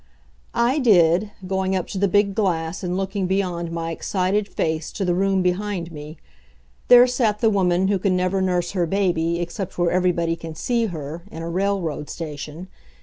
I did, going up to the big glass and looking beyond my excited face to the room behind me. There sat the woman who can never nurse her baby except where everybody can see her, in a railroad station.